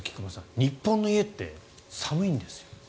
日本の家って寒いんですよ。